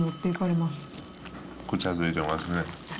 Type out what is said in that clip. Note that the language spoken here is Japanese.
くちゃついてますね。